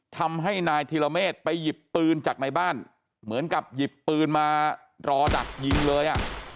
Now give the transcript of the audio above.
ทำให้นายธิรเมฆไปหยิบปืนจากในบ้านเหมือนกับหยิบปืนมารอดักยิงเลยอ่ะ